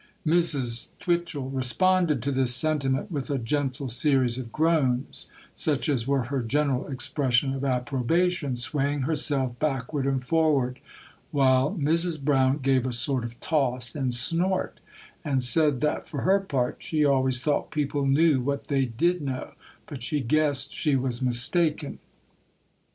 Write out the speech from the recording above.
Mrs. Twitchel responded to this sentiment with a gentle series of groans, such as were her general expression of approbation, swaying herself backward and forward; while Mrs. Brown gave a sort of toss and snort, and said that for her part she always thought people knew what they did know,—but she guessed she was mistaken.